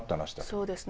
そうですね。